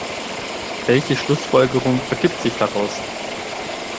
Welche Schlussfolgerung ergibt sich daraus?